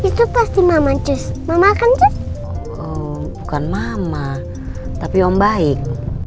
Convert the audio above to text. itu pasti mama cus makan tuh bukan mama tapi om baik